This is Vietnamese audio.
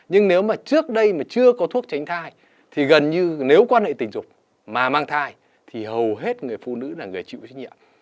nhưng nếu mà trước đây mà chưa có thuốc tránh thai thì gần như nếu quan hệ tình dục mà mang thai thì hầu hết người phụ nữ là người chịu trách nhiệm